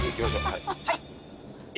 はい。